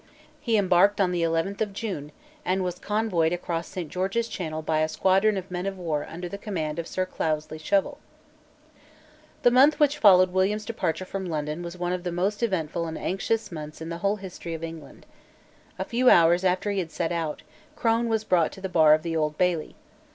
He embarked on the eleventh of June, and was convoyed across Saint George's Channel by a squadron of men of war under the command of Sir Cloudesley Shovel, The month which followed William's departure from London was one of the most eventful and anxious months in the whole history of England. A few hours after he had set out, Crone was brought to the bar of the Old Bailey.